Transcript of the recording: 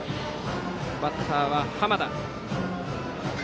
バッターは濱田。